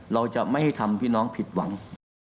เราจะไม่ให้ทำพี่น้องผิดหวัง